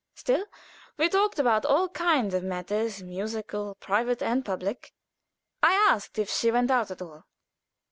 Still, we talked about all kinds of matters musical, private, and public. I asked if she went out at all.